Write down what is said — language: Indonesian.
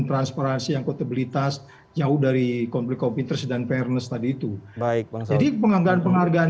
transparansi yang kualitas jauh dari konflik kompil dan fairness tadi itu baik penghargaan penghargaan